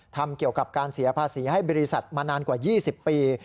ทำเกี่ยวกับการเสียภาษีให้บริษัทมานานกว่า๒๐ปี